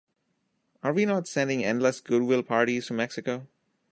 Are we not sending endless goodwill parties to Mexico?